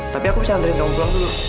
tapi aku bisa antriin kamu pulang dulu